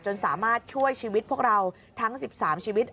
สามารถช่วยชีวิตพวกเราทั้ง๑๓ชีวิต